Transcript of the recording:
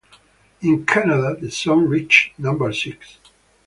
In Canada, the song reached number six.